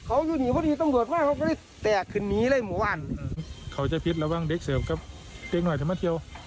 โอ้เนี่ยเขาเดือดร้อนเลย